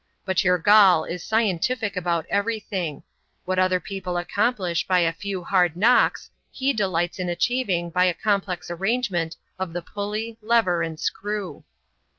But your Gaul is scientific about every thing ; what other people accomplish by a few hard knocks, he delights in achieving by a complex arrangement of the pulley, lever, and screw.